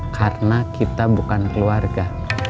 karena kita bukan keluarga